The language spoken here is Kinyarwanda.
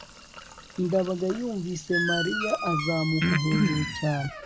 ndabaga yumvise mariya azamuka hejuru cyane